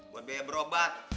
buat biaya berobat